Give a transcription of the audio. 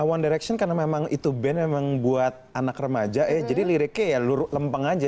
one direction karena memang itu band memang buat anak remaja ya jadi liriknya ya lempeng aja